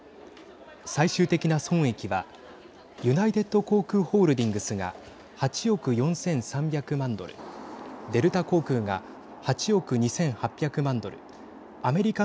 最終的な損益はユナイテッド航空ホールディングスが８億４３００万ドルデルタ航空が８億２８００万ドルアメリカン